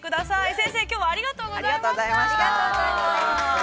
先生、きょうはありがとうございました。